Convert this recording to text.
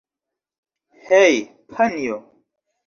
Hej' panjo!